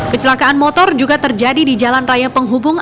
kecelakaan motor juga terjadi di jalan raya penghubung